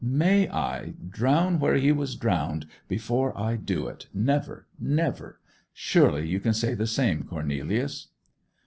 May I—drown where he was drowned before I do it! Never, never. Surely you can say the same, Cornelius!